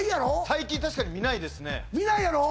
最近確かに見ないですね見ないやろ？